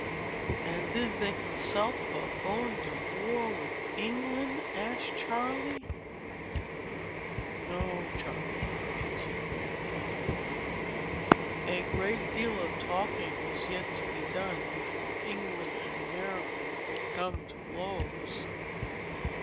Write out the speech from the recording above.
"And did they consult about going to war with England?" asked Charley. "No, Charley," answered Grandfather; "a great deal of talking was yet to be done, before England and America could come to blows.